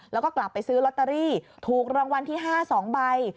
แล้วก็กลับไปซื้อลอตเตอรี่ถูกรางวัลที่๕๒ใบ